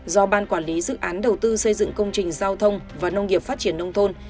do ban quản lý dự án đầu tư xây dựng công trình giao thông và nông nghiệp phát triển nông thôn